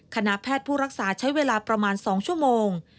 คณะแพทย์ผู้รักษาใช้เวลาประมาณ๒ชั่วโมง